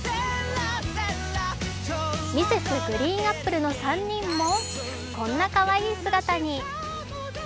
Ｍｒｓ．ＧＲＥＥＮＡＰＰＬＥの３人もこんなかわいい姿に。